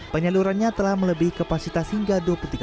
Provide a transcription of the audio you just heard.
penyeluruhannya telah melebih kapasitas hingga dua puluh tiga